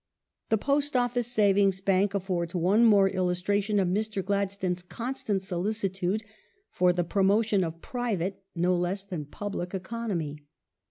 ^ The Post Office Savings Bank affords one more illustration of Mr. Gladstone's constant solicitude for the promotion of private no less than public economy.